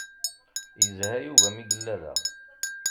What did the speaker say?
Yezha Yuba imi yella da.